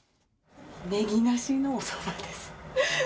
ねぎなしのおそばです。